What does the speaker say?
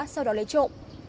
sau đó lấy trộm